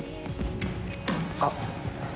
あっ。